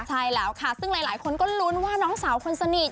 ใช่แล้วค่ะซึ่งหลายคนก็ลุ้นว่าน้องสาวคนสนิท